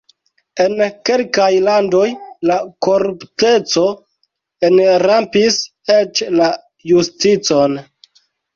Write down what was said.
En kelkaj landoj la korupteco enrampis eĉ la justicon.